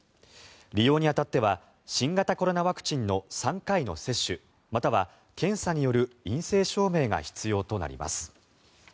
利用に当たっては新型コロナワクチンの３回の接種または検査による陰性証明が必要となります。